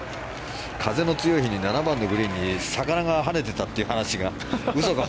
風の強い日に７番のグリーンに魚が跳ねていたという話が嘘か